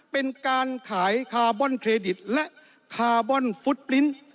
เป็นการขายคาร์บอนเครดิตและคาร์บอนฟุตปลิ้น